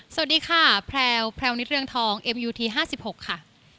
สวัสดีค่ะแพลวแพลวนิศเรืองทองเอ็มยูทีห้าสิบหกค่ะ